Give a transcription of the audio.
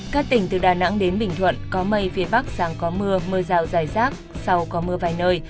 các tỉnh từ đà nẵng đến bình thuận có mây phía bắc sáng có mưa mưa rào dài rác sau có mưa vài nơi